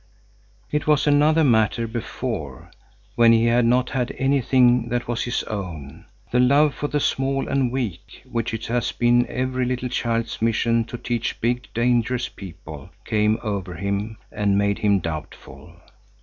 It was another matter before, when he had not had anything that was his own. The love for the small and weak, which it has been every little child's mission to teach big, dangerous people, came over him and made him doubtful.